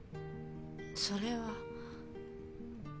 それは。